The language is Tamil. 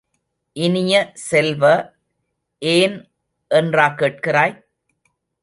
இனிய செல்வ, ஏன் என்றா கேட்கிறாய்?